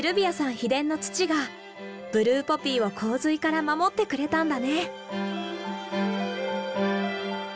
秘伝の土がブルーポピーを洪水から守ってくれたんだね。